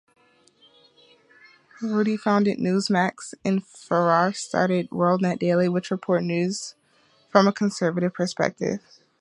Ruddy founded NewsMax and Farah started WorldNetDaily which report news from a conservative perspective.